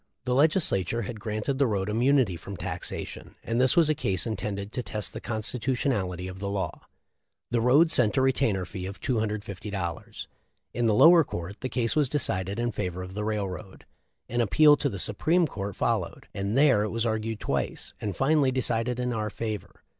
The Legislature had granted the road immunity from taxation, and this was a case intended to test the constitutionality of the law. The road sent a retainer fee of $250. In the lower court the case was decided in favor of the railroad. An appeal to the Supreme Court followed, and there it was argued twice, and finally decided in our favor.